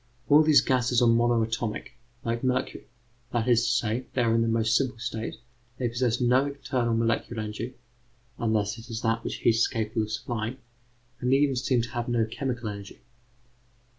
All these gases are monoatomic, like mercury; that is to say, they are in the most simple state, they possess no internal molecular energy (unless it is that which heat is capable of supplying), and they even seem to have no chemical energy.